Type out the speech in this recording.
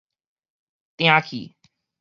定去